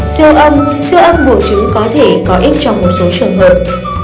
siêu âm siêu âm buộc chúng có thể có ích trong một số trường hợp